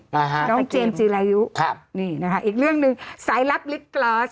นะฮะน้องเจมส์จีรายุครับนี่นะคะอีกเรื่องหนึ่งสายลับลิกกรอส